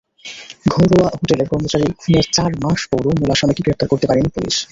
ঘরোয়া হোটেলের কর্মচারী খুনের চার মাস পরও মূল আসামিকে গ্রেপ্তার করতে পারেনি পুলিশ।